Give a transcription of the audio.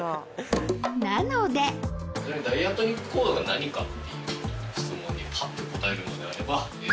なのでダイアトニックコードが何かっていう質問にパッと答えるのであれば。